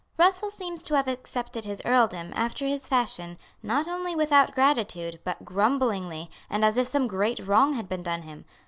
Russell seems to have accepted his earldom, after his fashion, not only without gratitude, but grumblingly, and as if some great wrong had been done him.